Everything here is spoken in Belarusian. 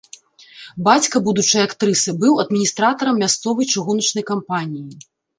Бацька будучай актрысы быў адміністратарам мясцовай чыгуначнай кампаніі.